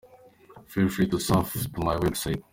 Feel free to surf to my web-site .